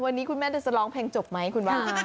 วันนี้คุณแม่งจะมีเพลงเต็มไปไหมคุณว่า